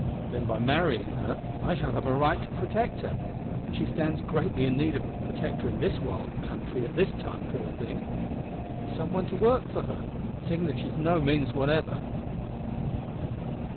Then by marrying her I shall have a right to protect her and she stands greatly in need of a protector in this wild country at this time, poor thing! and some one to work for her, seeing that she has no means whatever!"